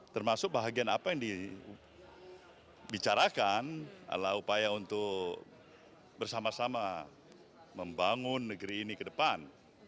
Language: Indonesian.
termasuk bahagian apa yang dibicarakan adalah upaya untuk bersama sama membangun negeri ini ke depan